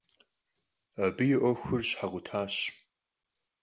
Abı yi 'Uexur şhekhutaş.